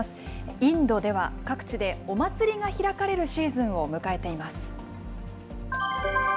インドでは各地でお祭りが開かれるシーズンを迎えています。